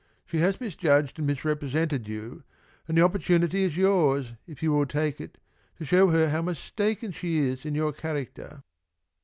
She has misjudged and misrepresented you, and the opportunity is yours, if you will take it, to show her how mistaken she is in your character."